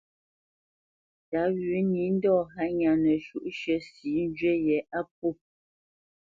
Tǎ wʉ̌ nǐ ndɔ̂ hánya nəshwǔʼshʉ̂ sǐ njywí yě á pwô.